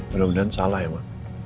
mudah mudahan salah ya pak